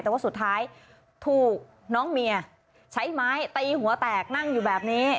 แต่ว่าสุดท้ายถูกน้องเมียใช้ไม้ตีหัวแตกนั่งอยู่แบบนี้